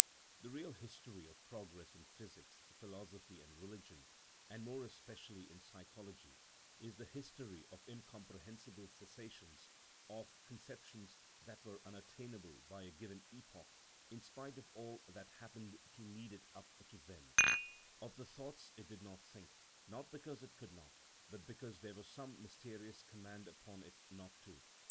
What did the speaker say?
The real history of progress in physics, philosophy, and religion, and more especially in psychology, is the history of incomprehensible cessations, of conceptions that were unattainable by a given epoch, in spite of all that happened to lead it up to them, of the thoughts it did not think, not because it could not, but because there was some mysterious command upon it not to.